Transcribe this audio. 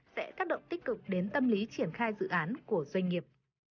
sẽ tác động tích cực đến tâm lý triển khai dự án của doanh nghiệp